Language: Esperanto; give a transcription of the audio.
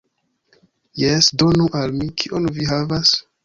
"Jes, donu al mi. Kion vi havas?"